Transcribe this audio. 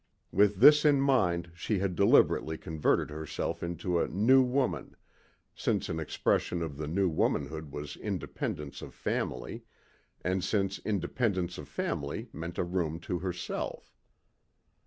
With this in mind she had deliberately converted herself into a "new woman," since an expression of the new womanhood was independence of family and since independence of family meant a room to herself.